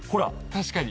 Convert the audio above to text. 確かに。